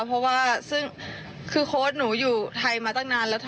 เพราะว่าซึ่งคือโค้ดหนูอยู่ไทยมาตั้งนานแล้ว